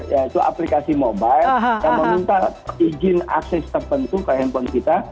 ya itu aplikasi mobile yang meminta izin akses tertentu ke handphone kita